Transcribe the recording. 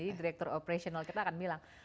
jadi director operational kita akan bilang